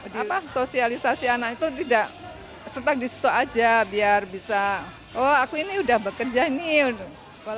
dan sosialisasi anak itu tidak setak di situ aja biar bisa oh aku ini udah bekerja nih